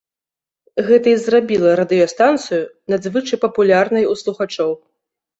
Гэта і зрабіла радыёстанцыю надзвычай папулярнай у слухачоў.